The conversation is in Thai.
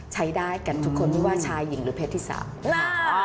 ใช้ได้กันทุกคนไม่ว่าชายหญิงหรือเพศที่สามค่ะ